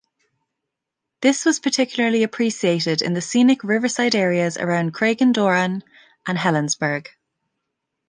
This was particularly appreciated in the scenic riverside areas around Craigendoran and Helensburgh.